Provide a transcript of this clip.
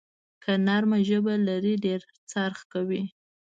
که نرمه ژبه لرې، ډېر خرڅ کوې.